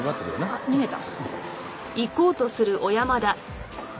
あっ逃げた。